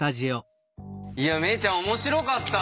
萌衣ちゃん面白かった！